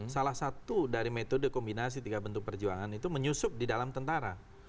salah satu dari metode kombinasi tiga bentuk perjuangan itu menyusup di dalam tentara